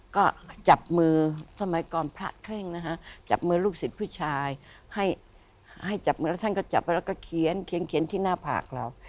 ก็จับมือสมัยก่อนพระเคร่งนะฮะจับมือลูกศิษย์ผู้ชายให้จับมือแล้วท่านก็จับไปแล้วก็เขียนที่หน้าผากเรา